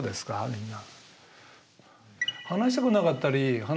みんな。